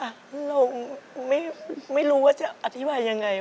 เราไม่รู้ว่าจะอธิบายยังไง